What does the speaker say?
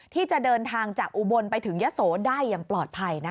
ที่จะเดินทางจากอุบลไปถึงยะโสได้อย่างปลอดภัยนะคะ